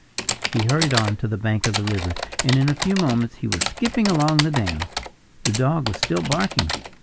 He hurried on to the bank of the river; and in a few moments he was skipping along the dam. The dog was still barking.